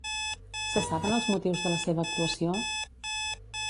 Se saben els motius de la seva actuació?